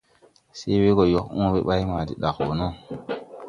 Se we go yoʼ õõbe bay ma de daʼ wɔ no.